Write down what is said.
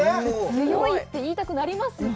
強いって言いたくなりますよね。